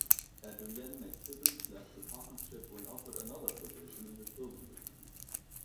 Adrienne McKibbins left the partnership when offered another position in the film industry.